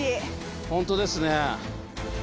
ホントですね。